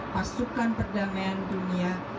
pasukan perdamaian dunia